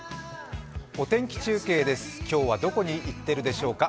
お天気中継です、今日はどこに行っているでしょうか？